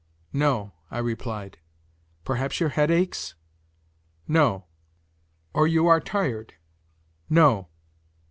"No," I replied. "Perhaps your head aches?" "No." "Or you are tired?" "No."